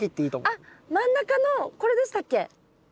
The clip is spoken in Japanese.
あっ真ん中のこれでしたっけ？